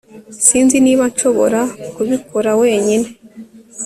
Sinzi niba nshobora kubikora wenyine